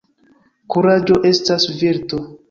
Kuraĝo estas virto.